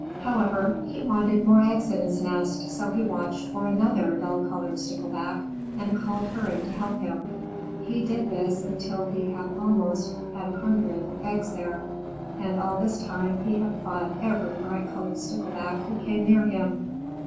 However, he wanted more eggs in his nest, so he watched for another dull colored Stickleback and called her in to help him. He did this until he had almost an hundred eggs there, and all this time he had fought every bright colored Stickleback who came near him.